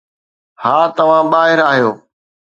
ها، توهان ٻاهر آهيو